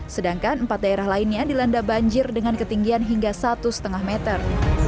sedangkan empat daerah lainnya dilanda banjir dengan ketinggian hingga satu lima meter